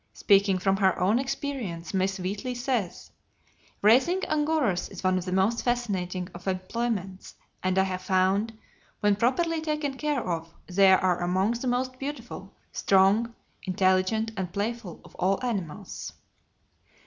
Speaking from her own experience Miss Wheatley says, "Raising Angoras is one of the most fascinating of employments, and I have found, when properly taken care of, they are among the most beautiful, strong, intelligent, and playful of all animals."